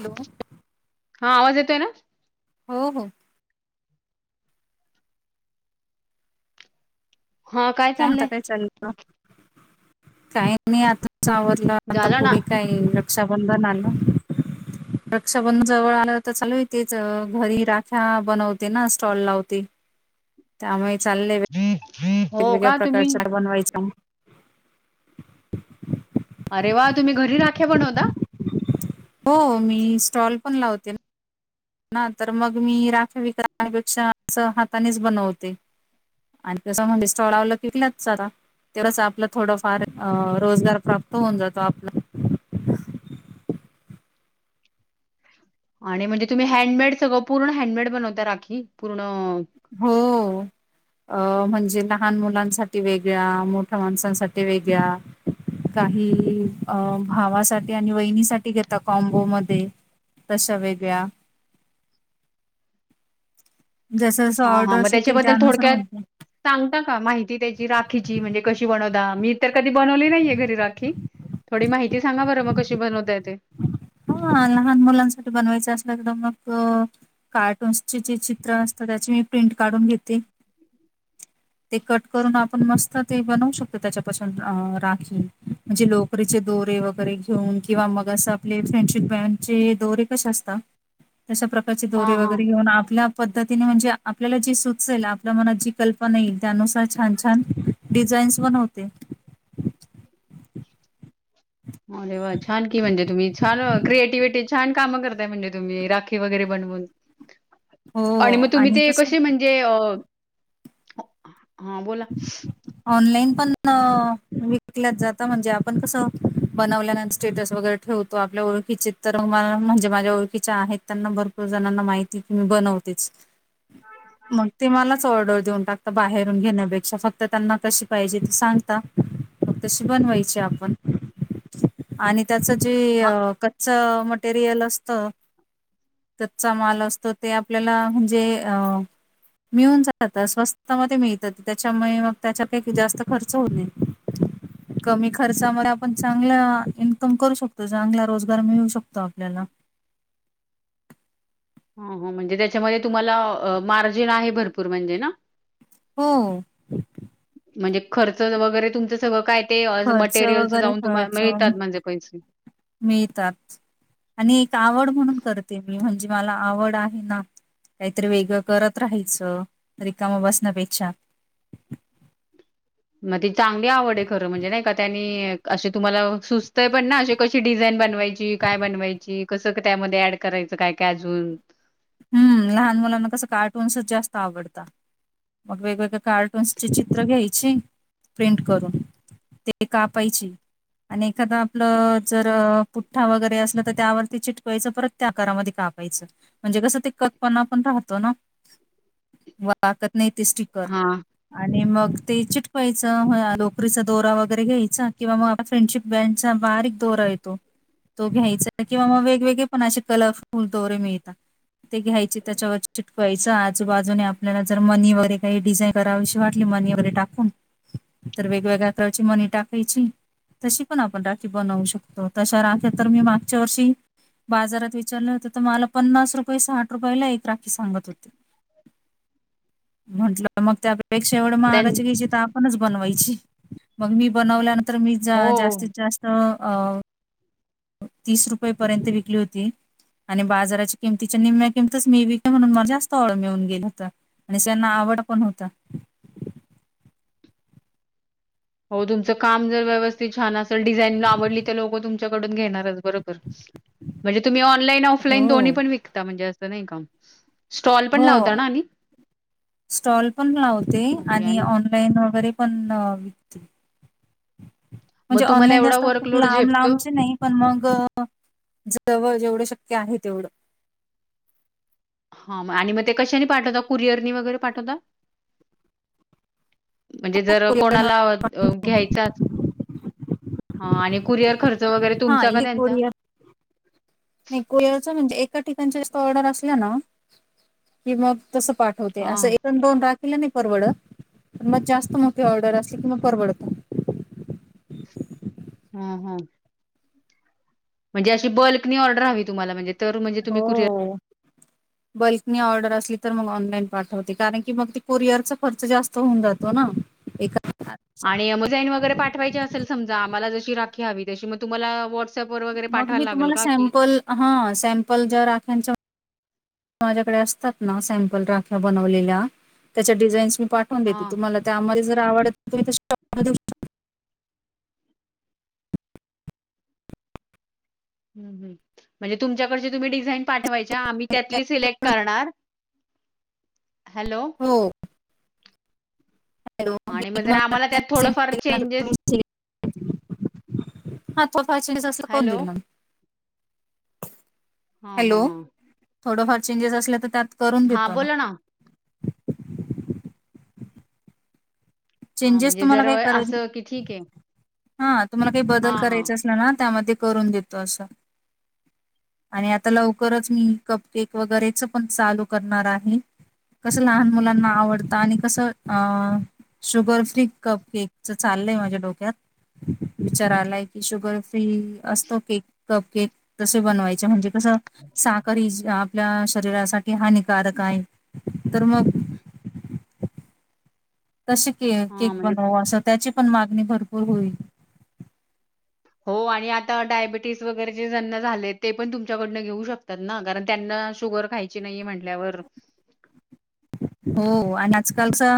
Hello [inaudible] हा आवाज येतोय ना. हो हो हा काय म्हणता? चाललंय? काय चालंलं मग? [inaudible] काही नाही आताच आवरल. आता झालं ना पुढे का काही रक्षाबंधन आलं. रक्षाबंधन जवळ आलं तर चालू आहे. तीचं घरी राख्या बनवते ना स्टॉल लावते. [inaudible] त्यामुळे चाललेय [inaudible] वेगवेगळ्या तुम्ही प्रकारच्या बनवायच्या म अरे वा! तुम्ही घरी राख्या बनवता? हो मी स्टॉल पण लावते. ना तर मग मी राख्या विकत आणण्यापेक्षा असं हातानेच बनवते. आणि तसं म्हणजे स्टॉल लावला की विकल्याच जातात. तरच आपलं थोडंफार रोजगार प्राप्त होऊन जातो आपला. आणि म्हणजे तुम्ही हँडमेड सगळं पूर्ण हँडमेड बनवता. राखी पुर्ण ‌ हो अ म्हणजे लहान मुलांसाठी वेगळ्या, मोठ्या माणसांसाठी वेगळ्या काही अ भावासाठी आणि वहिनीसाठी घेता. कॉम्बो मध्ये तशा वेगळ्या. जसं हा हा मग ऑर्डर्स येतील त्याच्याबद्दल त्यानुसार थोडक्यात म्हणते. सांगता का? माहिती त्याची राखीची म्हणजे कशी बनवता मी तर कधी बनवली नाहीये घरी राखी. थोडी माहिती सांगा. बरं मग कशी बनवताय ते [inaudible] हां लहान मुलांसाठी बनवायचं असल्या तर मग कार्टूनन्स चे जे चित्र असतात. त्याची मी प्रिंट काढून घेते. ते कट करून आपण मस्त ते बनवू शकतो. त्याच्यापासून राखी म्हणजे लोक लोकरीचे दोरे वगैरे घेऊन किंवा मग असं आपले फ्रेंडशिप बँडचे दोरे कसे असतात. तशा प्रकारचे हा दोरे हा. वगैरे घेऊन आपल्या- पद्धतीने म्हणजे आपल्याला जे सुचेल. आपल्या मनात जी कल पणा येईल त्यानुसार छान, छान डिझाईन्स बनवते. आरे वा! छान की म्हणजे तुम्ही छान क्रिएटिव्हटी छान कामं करताय म्हणजे तुम्ही राखी वगैरे बनवून. हो आणि मग तुम्ही ते कसं कसे? म्हणजे अ हा बोला. ऑनलाईन पण विकल्यात जाता. म्हणजे आपण कसं? बनवल्यानंतर स्टेटस वगैरे ठेवतो. आपल्या ओळखीचे तर म्हणजे माझ्या ओळखीच्या आहेत त्यांना भरपूर जणांना माहिती की मी बनवतेच. मग ते मलाच ऑर्डर देऊन टाकंत बाहेरून घेण्या फक्त त्यांना कशी पाहिजे ते सांगता, म तशी बनवायची आपण. आणि त्याच जे कच्च मटेरियल असत. कचा माल असतो ते आपल्याला म्हणजे अ मिळून जातात, स्वस्त मध्ये मिळतात. त्याच्यामुळे मग त्याच्यापैकी जास्त खर्च होत नाही. कमी खर्चामध्ये आपण चांगला इन्कम करू शकतो, चांगला रोजगार मिळू शकतो. तो आपल्याला. हा, हा म्हणजे त्याच्यामध्ये तुम्हाला मार्जिन आहे भरपूर म्हणजे ना. हो. म्हणजे खर्च वगैरे तुमचं सगळ काय ते खर्च मटेरियल वगैरे जाऊन तुम्हाला खर्च मिळतात म्हणजे पैसे? मिळतात. आणि एक आवड म्हणून करते, मी म्हणजे मला आवड आहे ना. काहीतरी वेगळं करत राहायचं, रिकामा बसण्यापेक्षा. मग ती चांगली आवड आहे खरं, म्हणजे नाही का त्यांनी असे तुम्हाला सुचतय पण ना, अशी, कशी डिझाईन बनवायची काय बनवायची. कसं त्यामध्ये ऍड करायचं काय काय अजून हम्म, लहान मुलांना कसं कार्टुन्सच जास्त आवडत. मग, वेगवेगळ्या कार्टून्सचे चित्र घ्यायचे प्रिंट करून. ते कापायची. आणि एखादा आपलं जर पुठ्ठा वगैरे असलं तर त्यावरती चिटकावायचं परत त्या आकारामध्ये कापायचं. म्हणजे कसं ते कटपणा पण राहतो ना, वाकत नाही ते स्टिकर. हां आणि मग ते चिटवायचं, लोकरीचा दोरा वगैरे घ्यायचा. किंवा मग आप फ्रेंडशिप त्याचं बारीक दोरा येतो. तो घ्यायचा किंवा मग वेगवेगळे पण असे कलरफुल दोरे मिळतात. ते घ्यायचे त्याच्यावर चिटकवायचं आजूबाजूने आपल्याला जर मनी वैगेरे काही डिझाईन कराविशी वाटली मनी वगैरे टाकून, तर वेगवेगळ्या प्रकारची मनी टाकायची. तशी पण आपण राखी बनवू शकतो, तशा राख्या तर मी मागच्या वर्षी बाजारात विचारलं होत तर मला पन्नास रुपये, साठ रुपयेला एक राखी सांगत होती. म्हंटलं मग त्यापेक्षा एवढ त्यां महागाची घ्यायची तर आपणच बनवायची, मग मी बनवल्यान तर मी हो. जास्तीत -जास्त अ. तीस रुपयेपर्यंत विकली होती. आणि बाजाराच्या किमतीच्या निम्म्या किमतीच मी बी का म्हणून मला जास्त ऑर्डर मिळून गेलं होत. आणि त्येना आवड पण होत. हो तुमचं काम जर व्यवस्थित छान असेल डिझाईन आवडली तर लोकं तुमच्याकडून घेणारच बरोबर. [unintelligible] म्हणजे तुम्ही ऑनईन- ऑफलाईन दो्ही हो पण विकता म्हणजें नाही का. स्टॉल पण हो लावता ना आणि? स्टॉल पण लावते आणि ऑन लाईन वगैरे पण विकते. म्हणजे मग तुम्हाला ऑनलाईन एवढा जास्त असतात वर्कलोड लांब झेपतो? लांबचे नाही. पण मग जवळ जेवढं शक्य आहे तेवढं. हा आणि मग ते कशानी पाठवता कुरिअरनी वगैरे पाठवता? म्हणजे हा जर कोरियर कोणाला घ्यायचा आणि कुरअर खर्च वगैरे हा, तुमचा का इ त्यांचा? कोरया नाही कोयारच म्हणजे, एका ठिकाणच जास्त ऑर्डर असल्या ना की मग तसं पाठ [unintelligible] अस हां, दोन राखलं नाही परवडत, मग जास्त मोठी ऑर्डर असली की मग परवडत. हं, हं. म्हणजे अशी, बल्कनी ऑडर हवी तुम्हाला म्हणजे तर म्हणजे तुम्ही कुरिअर हो. बल्कनी ऑर्डर असली, तर मग ऑनलाईन पाठवते कारण की, मग ते कुरिअरचा खर्च जास्त होऊन जातो ना. [unintelligible] आणि अमेझॉईन वगैरे पाठवायची असेल समजा, आम्हाला जशी राखी हवी तशी, मग तुम्हाला व [unintelligible] पोर वगैरे मग पाठवाय मी लागल तुम्हाला का की? सॅम्पल हा, सॅम्पल ज्या राख्यांच माझ्याकडे असतात ना, सॅम्पल राख्या बनवलेल्या त्याच्या डिझाईन्स मी पाठ वून देते, हां. तुम्हाला त्यामध्ये जर आवड [unintelligible] हं, हं. म्हणजे, तुमच्याकडची तुम्ही डिझाईन पाठवायच्या, आम्ही शकता. त्यातली सिलेक्ट करणार हॅलो? हो. हॅलो आणि मी मग जर तुम्हाला आम्हाला त्यात थोडंफार केल्यानंतर तुम्ही चेंजेस हा हॅलो? [unintelligible] हां, हॅलो? हां, हां. थोडंफार चेंजेस असल्या तर त्यात करून हां देतो ना. बोला हां चेंजेस म्हणजे तुम्हाला जर काही करायचे असं की ठीक आहे. हा, तुम्हाला काही बदल हां, हां. करायचा अस ला ना, त्यामध्ये करून देतो असं. आणि आता लवकरच मी कप केक वगैरेच पण चालू करणार आहे. कसं लहान मुलांना आवडत आणि कसं अ शुगर फ्री कप केकच चाललय माझ्या डोक्यात. विचारा आलाय की, शुगर फ्री असतो केक कप केक तसे बनवायचे म्हणजे तसं साखर ही आपल्या शरीरासाठी हानिकारक आहे, तर मग तसे के हां केक म्हणजे बनवाव अशी त्याची पण मागणी भरपूर होईल. हो आणि आता डायबेटीस वगैरे जे ज्यांना झाले, ते पण तुमच्याकडनं घेऊ शक त्यंना कारण त्यांना शुगर खायची नाही म्हटल्यावर हो आणि आजकालचा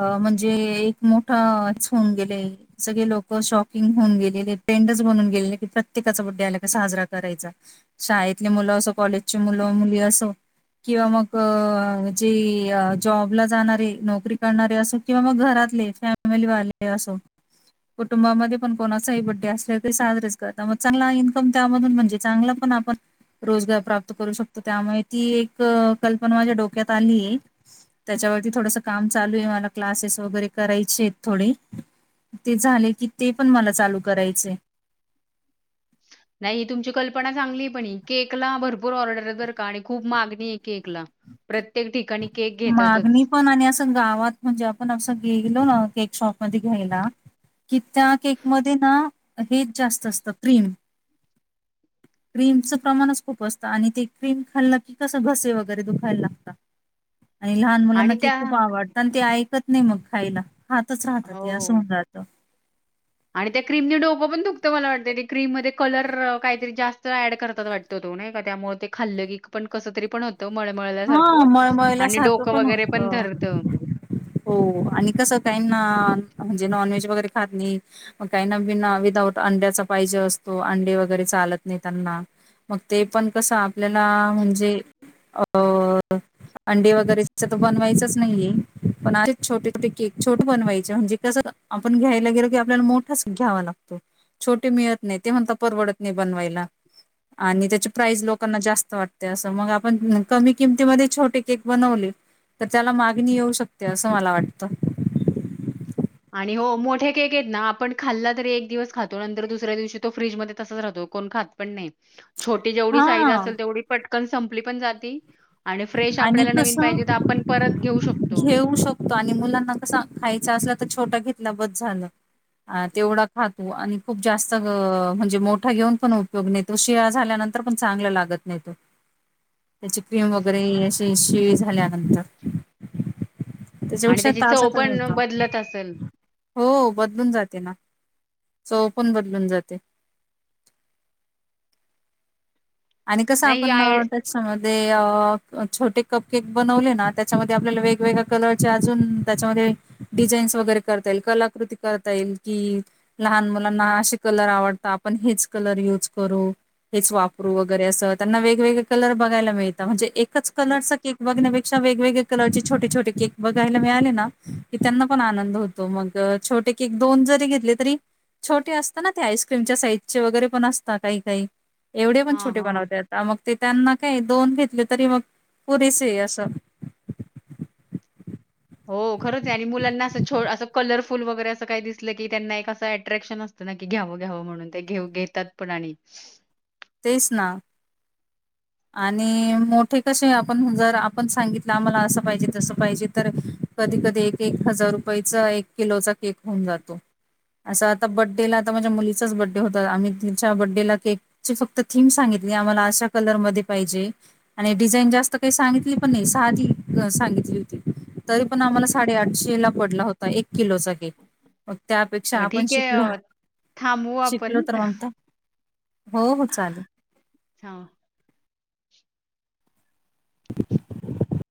अ‌ म्हणजे एक मोठाच होऊन गेलय. सगळे लोक शॉकिंग होऊन गेलेलेत. ट्रेंडच बनून गेलेले, प्रत्येकाचा बड्डे आला की, साजरा करायचा. शाळेतले मुलं असो, कॉलेजचे मुलं, मुली असो किंवा मग जे जॉबला जाणारे, नोकरी करणारे असो किंवा मग घरातले फॅमिलीवाले असो. कुटुंबामध्ये पण कोणाचाही बड्डे असले, तरी साजरेच करता, मग चांगला इन्कम त्यामधून म्हणजे चांगला पण आपण रोजगार प्राप्त करू शकतो, त्यामुळे ती एक कल्पना माझ्या डोक्यात आलीये. त्याच्यावरती थोडसं काम चालू आहे, मला क्लासेस वगैरे करायचे आहेत थोडे. ते झाले की, ते पण मला चालू करायचेंय. नाही, ही तुमची कल्पना चांगली पण ही, केकला भरपूर ऑर्डर आहेत बर का आणि खूप मागणी आहे केकला. प्रत्येक ठिकाणी केक घेतातच. मागणी पण आणि गावात म्हणजे, आपण असं गेलो ना केक शॉप मध्ये घ्यायला कि, त्या केकमध्ये ना हेच जास्त असतं क्रीम. क्रीमचं प्रमाणच खूप असतं आणि ते क्रीम खाल्ल की, कसं घसे वगैरे दुखायला लागतात. आणि लहान मुलांना आणि केक त्या खूप आवडतं आणि ते ऐकत नाही मग खायला, खातच राहतात ते असं हो. होणार जात आणि त्या क्रीमनी डोकं पण दुखतं मला वाटतं ते क्रीम मध्ये कलर काहीतरी जास्त ऍड करतात वाटत. तो नाही का त्यामुळे ते खाल्ल की पण कस तरी पण होत. तो मळमळल्या हा सारखं आणि मळमळल्यासारखं डोकं वगैरे पण होतं. धरतं. हो आणि कसं त्याना म्हणजे नॉनव्हेज वगैरे खात नाहीत मग काही ना बना विदाऊट अंड्याचा पाहिजे असतो अंडे वगैरे चालत नाही त्यांना मग ते पण कसं आपल्याला म्हणजे अ अंडे वगैरे तर बनवायचच नाही यय, पण असे छोटे- छोटे केक छोट बनवायचे म्हणजे कसं आपण घ्यायला गेलो की आपल्याला मोठाच घ्यावा लागतो. छोटे मिळत नाही ते म्हणता परवडत नाही बनवायला. आणि त्याची प्राईज लोकांना जास्त वाटते असं मग आपण कमी किमतीमध्ये छोटे केक बनवले तर, त्याला मागणी येऊ शकते असं मला वाटतं. आणि हो मोठे केक आहेत ना आपण खाल्ल तरी एक दिवस खातो नंतर दुसऱ्या दिवशी तो फ्रीजमध्ये तसाच रातो कोण खात पण नाही, छोटी जेवढी साईज हा असेल तेवढी पटकन संपली पण जाती आणि फ्रेश आणि आपल्याला नवीन कसं पाहिजे तर आपण परत घेऊ शकतो. तो आणि मुलांना कसा खायचा असला तर छोटा घेतला बस झालं. अ.. तेवढा खातो आणि खूप जास्त ग.. म्हणजे मोठा घेऊन पण उपयोग न तो शिळा झाल्यानंतर पण चांगला लागत नाही तो, त्याची क्रीम वगर वगैरे अशी शिळी झाल्यानंतर आणि त्याच्यापेक्षा त्याची ताजा चव त होत पण बदलत असेल हो बदलून जाते ना, चव पण बदलून जाते. आणि कसं नाही ही आपण आय ते त्याच्यामध्ये अ.. छोटे कप केक बनवले ना त्याच्यामध्ये आपल्याला वेगवेग कलरच्या अजून त्याच्यामध्ये डिझाईन्स वगैरे करता येईल कलाकृती करता येईल कि लहान मुलांना असे कलर आवडत आपण हेच कलर यूज करू हेच वापर रु वगैरे असं त्यांना वेगवेगळे कलर बघायला मिळतात म्हणजे एकच कलरं केक बघण्यापेक्षा वेगवेगळ्या कलरचे छोटे- छोटे केक बघायला मिळाले ना की त्यांना पण आनंद होतो. त मग छोटे केक दोन जरी घेतले तरी छोटे असतात ना ते आईस्क्रीमच्या साईजचे वगैरे पण असतात काही- काही एवढे पण हां छोटे हां बनवता येता मग ते त्यांना काय दोन घेतले तरी मग पुरेसे आहे. असं एक हो.. खरंच आहे आणि मुलांना असं छो असं कलरफुल वगैरे असं काही दिसलं की त्यांना एक असं अट्रॅक्शन असत घ्यावं.. घ्यावं म्हणून ते घेऊ घेतात पण आणि तेच ना आणि मोठे कशे आपण जर आपण सांगितलं आम्हाला असं पाहिजे तसं पाहिजे तर कधी.. कधी.. एक- एक हजार रुपयाचा एक किलोचा केक होऊन जातो असं आता बड्डेला आता माझ्या मुलीचाच बड्डे होत आम्ही तिच्या बड्डेला केक ची फक्त थीम सांगितली आम्हाला अशा कलरमध्ये पाहिजे आणि डिझाईन जास्त काही सांगितली पण नाही साधी सांगितली होती तरी पण आम्हाला साडेआठशे ला पडला होता एक किलोचा केक मग त्यापेक्षा अ, आपण ठीक आहे शिकल.. अ, थांबवू शिकल आपण. तर मनता हो.. हो.. चालेल हा. [unintelligible]